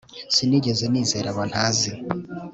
Sinigeze nizera abo ntazi